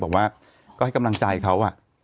บอกว่าก็ให้กำลังใจเขา